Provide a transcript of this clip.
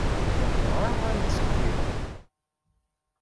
Nebɣa ad nettekki.